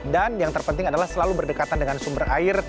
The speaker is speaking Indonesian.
dan yang terpenting adalah selalu berdekatan dengan sumber air